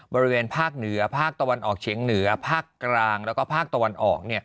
บริเวณภาคเหนือภาคตะวันออกเฉียงเหนือภาคกลางแล้วก็ภาคตะวันออก